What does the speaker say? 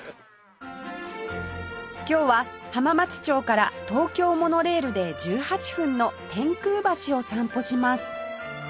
今日は浜松町から東京モノレールで１８分の天空橋を散歩します